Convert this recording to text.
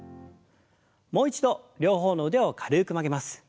もう一度両方の腕を軽く曲げます。